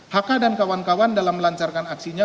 haka dan kawan kawan dalam melancarkan aksinya